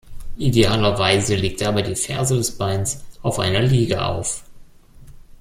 Idealerweise liegt dabei die Ferse des Beines auf einer Liege auf.